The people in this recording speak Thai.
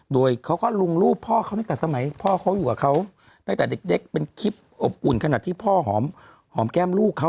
โดยเขาก็ลุงลูกพ่อเขาไม่ก็สมัยพ่อมูลกับเขาได้แต่เด็กเป็นคิดอบอุ่นขนาดที่พ่อหอมขอมแก้มลูกเขา